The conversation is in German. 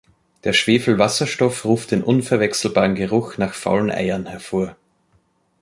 Der Schwefelwasserstoff ruft den unverwechselbaren Geruch nach faulen Eiern hervor.